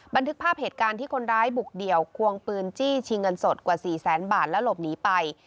บันทึกภาพเหตุการณ์ที่คนร้ายบุกเดี่ยวควงปืนจี้ชิงเงินสดกว่า๔แสนบาทและหลบหนีไป